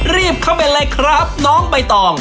รีบเข้าไปเลยครับน้องใบตอง